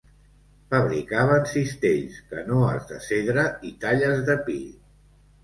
Fabricaven cistells, canoes de cedre i talles de pi.